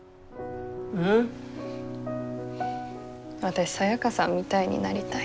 私サヤカさんみたいになりたい。